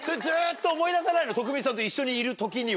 徳光さんと一緒にいる時には。